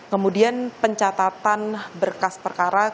kemudian pencatatan berkas perkara